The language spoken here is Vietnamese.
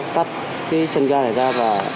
cắt cái chân ga này ra và